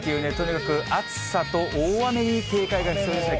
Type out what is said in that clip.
暑さと大雨に警戒が必要ですね。